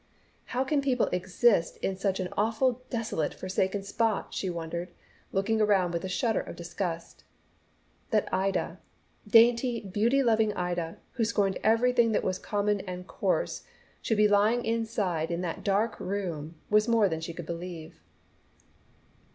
"How can people exist in such an awful desolate, forsaken spot?" she wondered, looking around with a shudder of disgust. That Ida, dainty beauty loving Ida, who scorned everything that was common and coarse, should be lying inside in that dark room was more than she could believe.